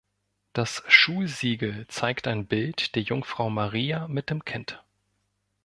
Das Schulsiegel zeigt ein Bild der Jungfrau Maria mit dem Kind.